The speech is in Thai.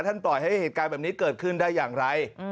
ปล่อยให้เหตุการณ์แบบนี้เกิดขึ้นได้อย่างไร